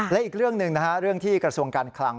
และอีกเรื่องหนึ่งนะฮะเรื่องที่กระทรวงการคลัง